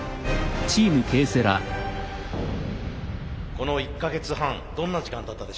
この１か月半どんな時間だったでしょう？